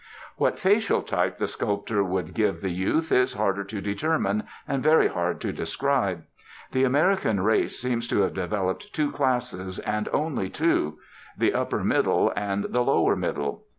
What facial type the sculptor would give the youth is harder to determine, and very hard to describe. The American race seems to have developed two classes, and only two, the upper middle and the lower middle.